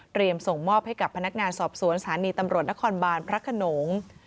ส่งมอบให้กับพนักงานสอบสวนสถานีตำรวจนครบานพระขนง